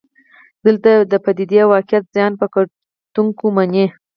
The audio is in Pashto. دلته د پدیدې واقعیت ځان په کتونکو مني.